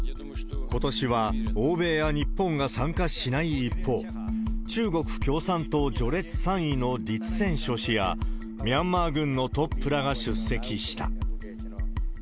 ことしは欧米や日本が参加しない一方、中国共産党序列３位の栗戦書氏や、ミャンマー軍のトップらが出席した。